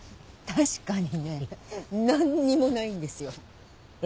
確かにね何にもないんですよ。